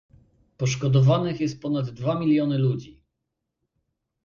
Poszkodowanych jest ponad dwa miliony ludzi